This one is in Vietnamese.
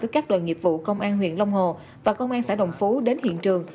các đoàn nghiệp vụ công an huyện long hồ và công an xã đồng phú đến hiện trường